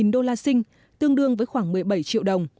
một đô la sinh tương đương với khoảng một mươi bảy triệu đồng